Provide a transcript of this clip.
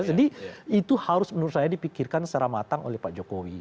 jadi itu harus menurut saya dipikirkan secara matang oleh pak jokowi